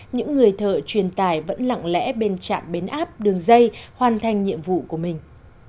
những người thợ truyền tài vẫn lặng lẽ bên trạm biến áp đường dây hoàn thành nhiệm vụ của mình